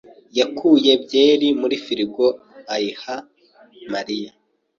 yakuye byeri muri firigo ayiha Mariya.